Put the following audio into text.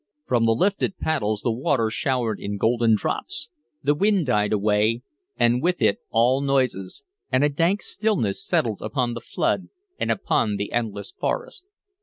From the lifted paddles the water showered in golden drops. The wind died away, and with it all noises, and a dank stillness settled upon the flood and upon the endless forest.